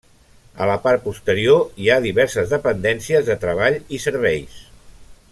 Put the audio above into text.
A la part posterior hi ha diverses dependències de treball i serveis.